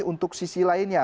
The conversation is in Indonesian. untuk sisi lainnya